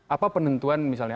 apa penentuan misalnya